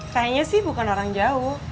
kayaknya sih bukan orang jawa